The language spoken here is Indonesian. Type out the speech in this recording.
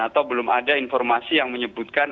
atau belum ada informasi yang menyebutkan